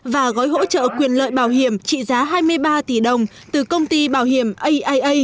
và gói hỗ trợ quyền lợi bảo hiểm trị giá hai mươi ba tỷ đồng từ công ty bảo hiểm aia